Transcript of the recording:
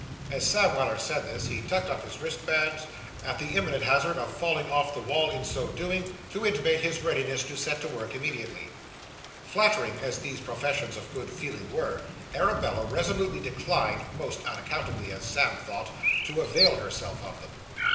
As Sam Weller said this, he tucked up his wristbands, at the imminent hazard of falling off the wall in so doing, to intimate his readiness to set to work immediately. Flattering as these professions of good feeling were, Arabella resolutely declined (most unaccountably, as Sam thought) to avail herself of them.